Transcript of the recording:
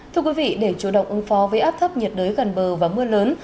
thưa quý vị để chủ động ứng phó với áp thấp nhiệt đới gần bờ và mưa lớn